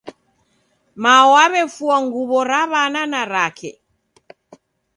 Mao wawefua nguwo Ra Wana na rake.